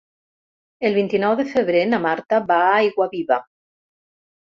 El vint-i-nou de febrer na Marta va a Aiguaviva.